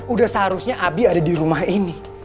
udah seharusnya abi ada di rumah ini